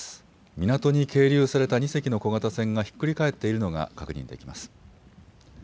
港に係留された２隻の小型船がひっくり返っているのが確認できます。